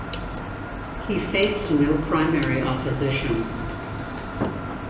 He faced no primary opposition.